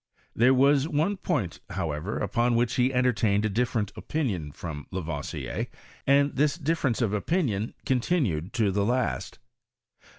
There was one point, however, upon which he enlevtained a dif lereot opiniuD from Lavoisier, and this difference of opinion continued to the last.